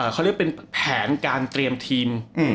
เขาเรียกเป็นแผนการเตรียมทีม